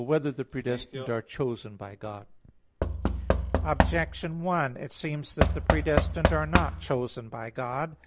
4] Whether the Predestined Are Chosen by God? [*"Eligantur."] Objection 1: It seems that the predestined are not chosen by God.